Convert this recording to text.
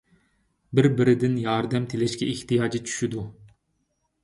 بىر - بىرىدىن ياردەم تىلەشكە ئېھتىياجى چۈشىدۇ.